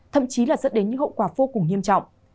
thậm chí là dẫn đến những hậu quả vô cùng nghiêm trọng